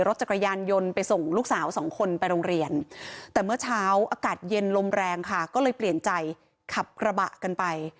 รถจักรยานยนต์ไปส่งลูกสาวสองคนไปโรงเรียนแต่เมื่อเช้าอากาศเย็นลมแรงค่ะก็เลยเปลี่ยนใจขับกระบะกันไป